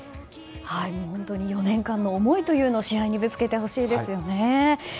本当に４年間の思いを試合にぶつけてほしいですよね。